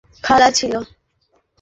স্ত্রী নয়, ওটা ওর খালা ছিল।